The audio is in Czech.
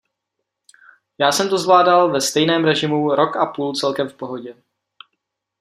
Já jsem to zvládal ve stejném režimu rok a půl celkem v pohodě.